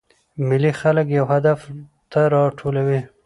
مېلې خلک یو هدف ته راټولوي.